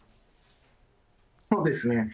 そうですね。